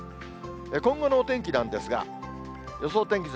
今後のお天気なんですが、予想天気図。